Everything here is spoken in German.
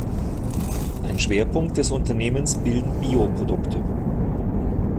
Ein Schwerpunkt des Unternehmens bilden Bio-Produkte.